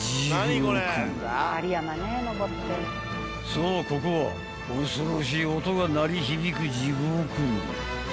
［そうここは恐ろしい音が鳴り響く地獄］